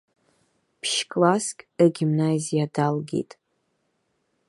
Ԥшь-класск ргимназиа далгеит.